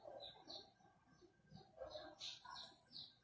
มีเวลาเมื่อเวลาเมื่อเวลา